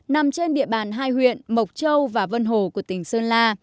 nằm trên địa bàn hai huyện mộc châu và vân hồ của tỉnh sơn la